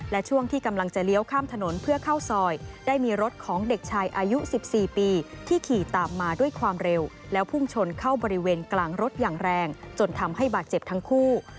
และช่วงที่กำลังจะเลี้ยวข้ามถนนเพื่อเข้าซอยได้มีรถของเด็กชายอายุ๑๔ปีที่ขี่ตามมาด้วยความเร็วแล้วพุ่งชนเข้าบริเวณกลางรถอย่างแรงจนทำให้บาดเจ็บทั้งคู่